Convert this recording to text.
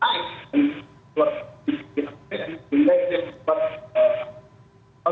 dan itu sudah diperhatikan